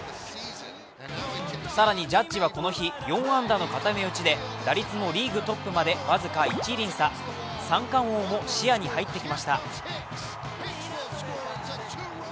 更に、ジャッジはこの日、４安打の固め打ちで打率もリーグトップまで僅か１厘差三冠王も視野に入ってきました。